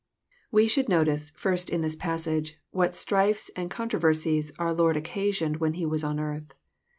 We sboald notice, first, in this passage, what strifes and oon troversies our Lord occasioned when He was on earth.